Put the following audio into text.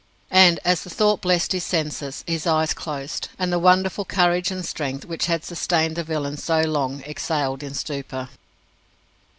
And as the thought blessed his senses, his eyes closed, and the wonderful courage and strength which had sustained the villain so long exhaled in stupor.